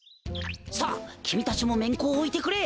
さあきみたちもめんこをおいてくれ。